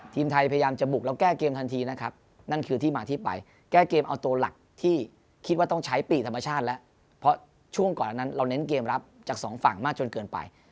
ทีมไทยพยายามจะบุกแล้วแก้เกมทันทีนะครับนั่นคือที่มาที่ไปแก้เกมเอาตัวหลักที่คิดว่าต้องใช้ปีกธรรมชาติแล้วเพราะช่วงก่อนนั้นเราเน้นเกมรับจากสองฝั่งมากจนเกินไป